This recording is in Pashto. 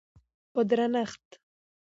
په درنښت